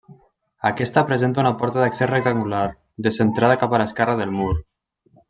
Aquesta presenta una porta d'accés rectangular, descentrada cap a l'esquerra del mur.